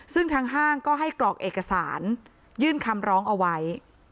ซึ่งทางห้างก็ให้กรอกเอกสารยื่นคำร้องเอาไว้